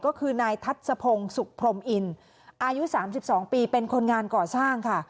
ก็คือนายทัศพงศ์สุขพรมอินอายุ๓๒ปีเป็นคนงานก่อสร้างค่ะ